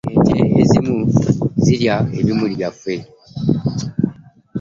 Ente ezimu zirya ebimuli byaffe.